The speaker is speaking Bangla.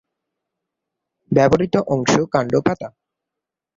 ব্যবহৃত অংশ: কাণ্ড, পাতা।